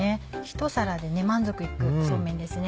ひと皿で満足行くそうめんです。